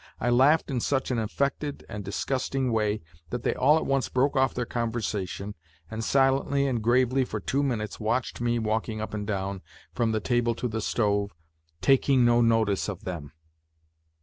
I laughed in such an affected and disgusting way that they all at once broke off their conversation, and silently and gravely for two minutes watched me walking up and down from the table to the stove, taking no notice of them.